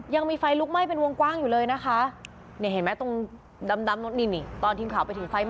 ยังมีไฟลุกไห้เป็นวงกว้างเลยนะคะ